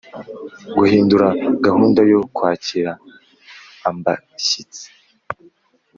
guhindura gahunda yo kwakira ambashyitsi